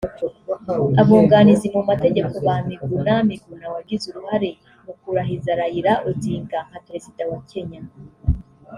Abunganizi mu mategeko ba Miguna Miguna wagize uruhare mu kurahiza Raila Odinga nka Perezida wa Kenya